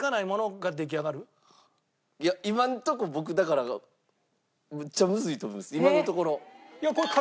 いや今のとこ僕だからめっちゃムズいと思います。